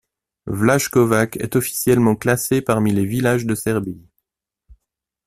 Vlajkovac est officiellement classé parmi les villages de Serbie.